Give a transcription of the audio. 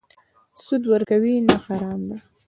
سود ورکوي؟ نه، حرام ده